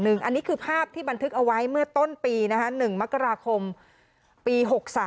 อันนี้คือภาพที่บันทึกเอาไว้เมื่อต้นปี๑มกราคมปี๖๓